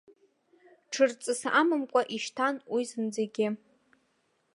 Ҽырҵыс амамкәа ишьҭан уи зынӡагьы.